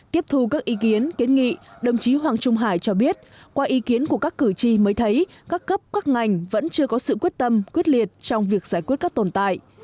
tiếp thu các ý kiến kiến nghị đồng chí hoàng trung hải cho biết qua ý kiến của các cử tri mới thấy các cấp các ngành vẫn chưa có sự quyết tâm quyết liệt trong việc giải quyết các tồn tại